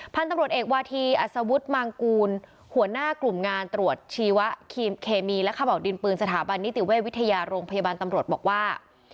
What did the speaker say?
พันธุ์ตำรวจเอกวาธีอัศวุฒิมางกูลหัวหน้ากลุ่มงานตรวจชีวะเคมีและขม่าวดินปืนสถาบันนิติเวชวิทยาโรงพยาบาลตำรวจบอกว่า